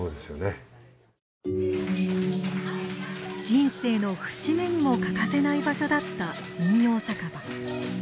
人生の節目にも欠かせない場所だった民謡酒場。